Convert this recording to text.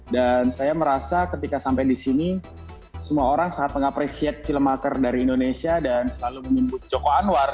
dan saya merasa ketika sampai di sini semua orang sangat mengapresiasi film maker dari indonesia dan selalu menyebut joko anwar